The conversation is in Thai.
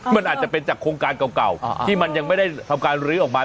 มันอาจจะเป็นจากโครงการเก่าที่มันยังไม่ได้ทำการลื้อออกมา